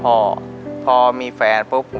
ปิดเท่าไหร่ก็ได้ลงท้ายด้วย๐เนาะ